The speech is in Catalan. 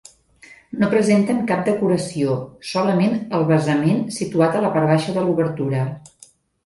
No presenten cap decoració, solament el basament situat a la part baixa de l'obertura.